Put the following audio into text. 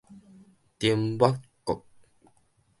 丁抹國